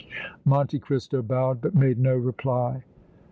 Monte Cristo bowed, but made no reply.